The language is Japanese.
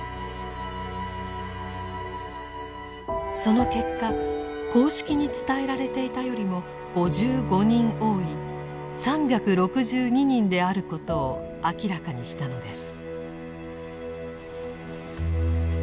その結果公式に伝えられていたよりも５５人多い３６２人であることを明らかにしたのです。